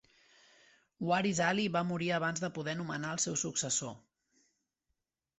Waris Ali va morir abans de poder nomenar el seu successor.